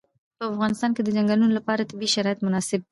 په افغانستان کې د چنګلونه لپاره طبیعي شرایط مناسب دي.